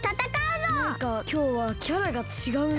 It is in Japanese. マイカきょうはキャラがちがうな。